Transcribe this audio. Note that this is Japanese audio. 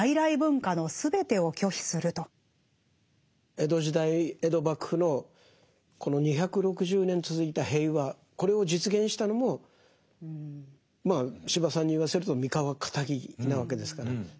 江戸時代江戸幕府のこの２６０年続いた平和これを実現したのも司馬さんに言わせると三河かたぎなわけですから。